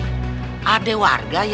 ada warga yang berani pulang kampung kita